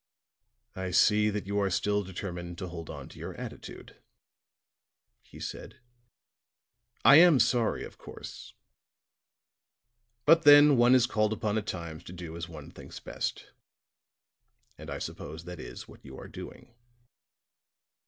"I see that you are still determined to hold to your attitude," he said. "I am sorry, of course, but then one is called upon at times to do as one thinks best, and I suppose that is what you are doing."